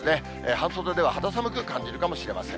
半袖では肌寒く感じるかもしれません。